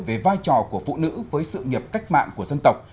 về vai trò của phụ nữ với sự nghiệp cách mạng của dân tộc